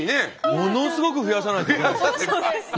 ものすごく増やさないといけないです。